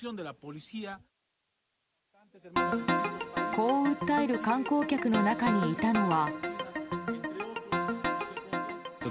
こう訴える観光客の中にいたのは。